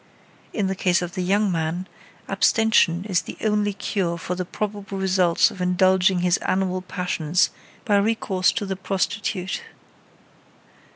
In the case of the young man, abstention is the only cure for the probable results of indulging his animal passions by recourse to the prostitute.